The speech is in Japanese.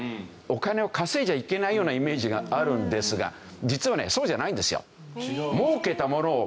お金を稼いじゃいけないようなイメージがあるんですが実はねそうじゃないんですよ。